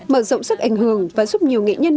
mở rộng sức ảnh hưởng và giúp nhiều nghệ nhân